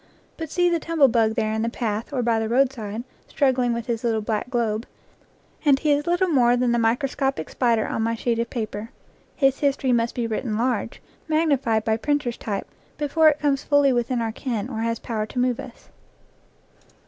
But see the tumblebug there in the path or by the roadside, struggling with his little black globe, and he is little more than the microscopic spider on my sheet of paper. His his tory must be written large, magnified by printer's type, before it comes fully within our ken or has power to move us.